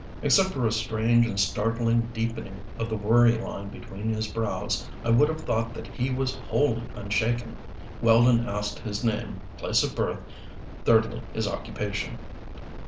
Except for a strange and startling deepening of the worry line between his brows I would have thought that he was wholly unshaken. Weldon asked his name, place of birth, thirdly his occupation.